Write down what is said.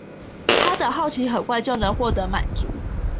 他的好奇很快就能獲得滿足